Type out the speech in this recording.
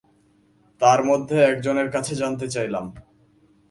তাঁর মধ্যে একজনের কাছে জানতে চাইলাম।